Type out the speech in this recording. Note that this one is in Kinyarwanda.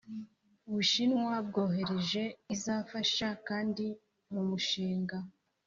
Bushinwa bwohereje izafasha kandi mu mushinga